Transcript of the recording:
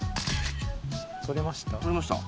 撮れました？